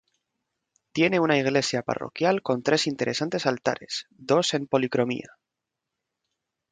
Tiene una Iglesia Parroquial con tres interesantes altares, dos en policromía.